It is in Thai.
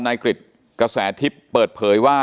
นายกริจกระแสทิพย์เปิดเผยว่า